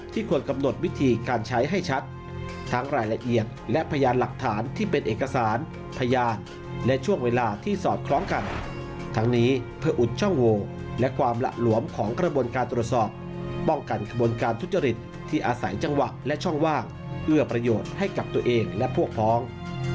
ควรกำหนดวิธีการใช้ให้ชัดทั้งรายละเอียดและพยานหลักฐานที่เป็นเอกสารพยานและช่วงเวลาที่สอดคล้องกันทั้งนี้เพื่ออุดช่องโวและความหละหลวมของกระบวนการตรวจสอบป้องกันกระบวนการทุจริตที่อาศัยจังหวะและช่องว่างเอื้อประโยชน์ให้กับตัวเองและพวกพ้อง